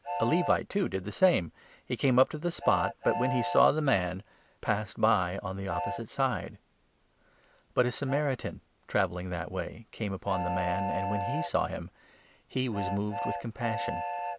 A Levite, too, did the same ; he came up to the spot, 32 but, when he saw the man, passed by on the opposite side. But a Samaritan, travelling that way, came upon the man, and, 33 when he saw him, he was moved with compassion.